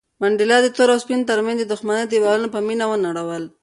منډېلا د تور او سپین تر منځ د دښمنۍ دېوالونه په مینه ونړول.